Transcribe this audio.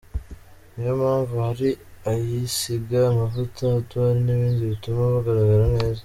Niyo mpamvu hari aisiga amavuta, oudr nibindi bituma bagaragara neza.